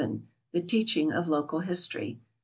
The Teaching of Local History.